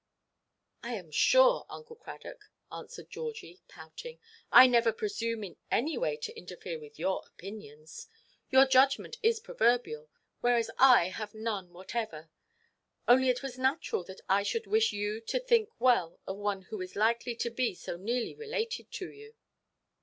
"I am sure, Uncle Cradock," answered Georgie, pouting, "I never presume in any way to interfere with your opinions. Your judgment is proverbial; whereas I have none whatever. Only it was natural that I should wish you to think well of one who is likely to be so nearly related to you.